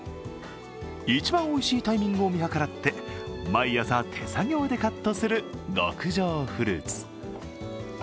一番おいしいタイミングを見計らって、毎朝、手作業でカットする極上フルーツ。